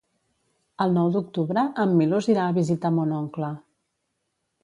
El nou d'octubre en Milos irà a visitar mon oncle.